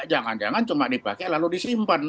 jangan jangan cuma dipakai lalu disimpan